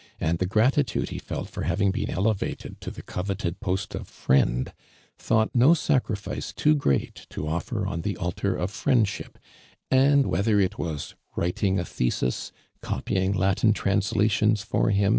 and the gratitude he felt for having been elevated to the coveted post of friend, thought no sacrifice too groat to otter on the altar of friendship, and whether it was writing a thesis, copy ing Latin translations for him.